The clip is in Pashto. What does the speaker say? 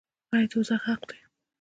آیا دوزخ حق دی؟